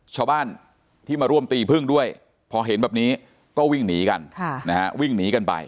ชาวบ้านที่มาร่วมตีพึ่งด้วยพอเห็นแบบนี้ก็วิ่งหนีกันวิ่งหนีกันไป